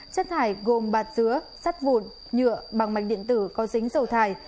chất thải gồm bạt dứa sắt vụn nhựa bằng mạch điện tử có dính dầu thải